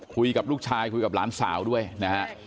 คุยกับลูกชายคุยกับหลานสาวด้วยนะฮะ